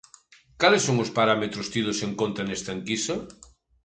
Cales son os parámetros tidos en conta nesta enquisa?